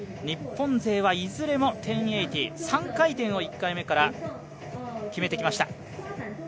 日本勢はいずれも１０８０、３回転を１回目から決めてきました。